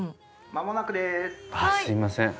まもなくです。